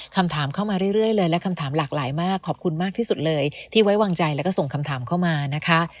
คำถามเข้ามาเรื่อยเลยและคำถามหลากหลายมากขอบคุณมากที่สุดเลยที่ไว้วางใจแล้วก็ส่งคำถามเข้ามานะคะ